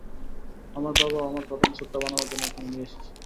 আমার বাবাও আমার প্রথম স্যুটটা বানানোর জন্য এখানে নিয়ে এসেছিলেন।